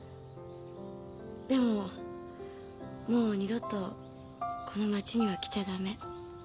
でももう二度とこの町には来ちゃダメ。